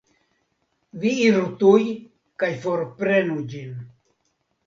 Vi iru tuj kaj forprenu ĝin.